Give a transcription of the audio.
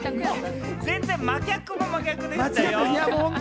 全然、真逆も真逆でしたよ。